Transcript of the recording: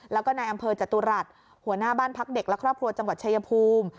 แล้วก็นายอำเภอจตุรัสหัวหน้าบ้านพักเด็กและครอบครัวจังหวัดชายภูมิ